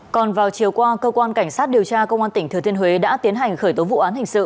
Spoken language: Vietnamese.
còn vào chiều qua cơ quan cảnh sát điều tra công an tỉnh thừa thiên huế đã tiến hành khởi tố vụ án hình sự